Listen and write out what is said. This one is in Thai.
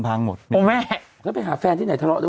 มันพังหมดโอ้แม่ก็ไปหาแฟนที่ไหนทะเลาะด้วย